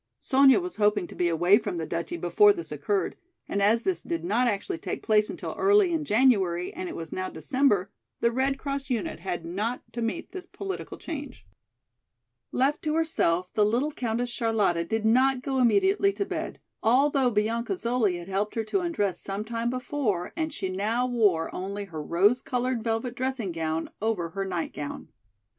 Sonya was hoping to be away from the duchy before this occurred, and as this did not actually take place until early in January and it was now December, the American Red Cross unit had not to meet this political change. Left to herself the little Countess Charlotta did not go immediately to bed, although Bianca Zoli had helped her to undress some time before and she now wore only her rose colored velvet dressing gown over her night gown.